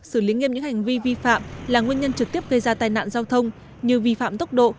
xử lý nghiêm những hành vi vi phạm là nguyên nhân trực tiếp gây ra tai nạn giao thông như vi phạm tốc độ